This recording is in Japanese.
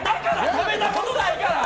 食べたことないから！